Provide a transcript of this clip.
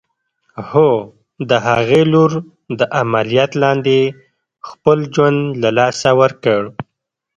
هو! د هغې لور د عمليات لاندې خپل ژوند له لاسه ورکړ.